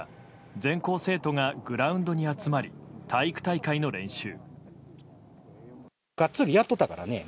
全校生徒がグラウンドに集まり体育大会の練習。